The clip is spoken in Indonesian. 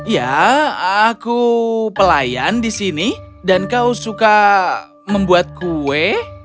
ya aku pelayan di sini dan kau suka membuat kue